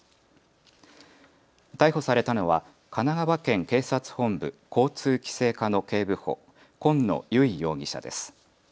逮捕されたのは神奈川県警察本部交通規制課の警部補、今野由惟容疑者です。